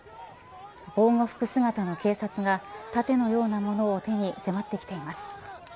防護服姿の警察が盾のようなものを手に迫ってきています。